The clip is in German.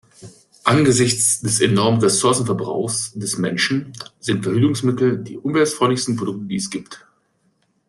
Angesichts des enormen Ressourcenverbrauchs des Menschen sind Verhütungsmittel die umweltfreundlichsten Produkte, die es gibt.